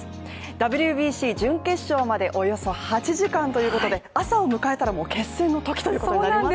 ＷＢＣ準決勝までおよそ８時間ということで朝を迎えたらもう決戦の時ということになりますね。